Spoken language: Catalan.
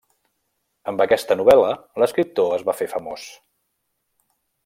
Amb aquesta novel·la, l'escriptor es va fer famós.